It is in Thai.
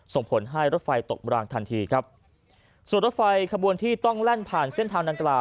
ส่งผลให้รถไฟตกรางทันทีครับส่วนรถไฟขบวนที่ต้องแล่นผ่านเส้นทางดังกล่าว